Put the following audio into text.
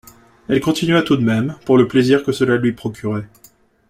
Elle continua tout de même, pour le plaisir que cela lui procurait.